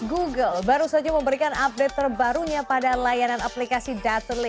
google baru saja memberikan update terbarunya pada layanan aplikasi datole